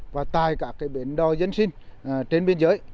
và tại các bến đỏ dân sinh trên biên giới